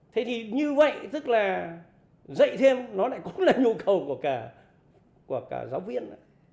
thế thì như vậy tức là dạy thêm nó lại cũng là nhu cầu của cả giáo viên